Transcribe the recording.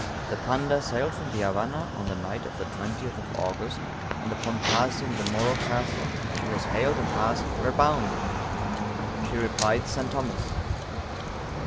The Panda sailed from the Havana on the night of the 20th of August; and upon passing the Moro Castle, she was hailed, and asked, "where bound?" She replied, St. Thomas.